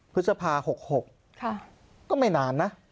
พฤษภา๖๖ก็ไม่นานนะ